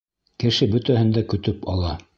Кеше бөтәһен дә көтөп ала.